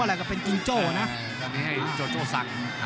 อันนี้ให้โจโจสัก